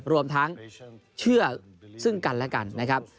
รวมทั้งเชื่อซึ่งกันและกันนะครับ